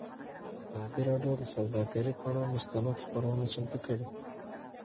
ازادي راډیو د سوداګري پر اړه مستند خپرونه چمتو کړې.